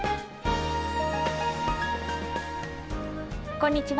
こんにちは。